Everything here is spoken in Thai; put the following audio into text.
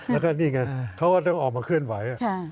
แล้วก็นี่ไงเขาก็ต้องออกมาเคลื่อนไหว